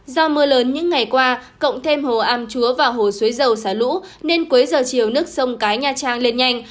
do mưa lớn những ngày qua cộng thêm hồ am chúa và hồ xuế dầu xả lũ nên cuối giờ chiều nước sông cái nha trang lên nhanh